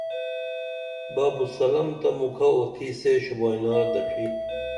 باب السلام تہ مُکھہ اُوتِھی سے شوبائناردڇھی